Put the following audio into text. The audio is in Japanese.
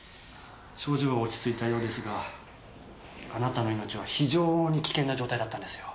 症状は落ち着いたようですがあなたの命は非常に危険な状態だったんですよ。